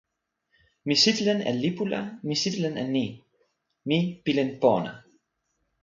mi sitelen e lipu la mi sitelen e ni: mi pilin pona.